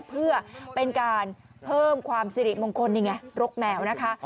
เพื่อเป็นการเพิ่มความสิริมงคลนี่ไงรกแมวนะคะ